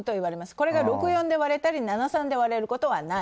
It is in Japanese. これが６：４で割れたり７：３で割れることはない。